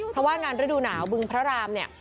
เพราะว่างานฤดูหนาวบึงพระรามเนี่ย